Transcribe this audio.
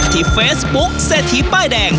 ที่เฟซบุ๊คเศรษฐีป้ายแดง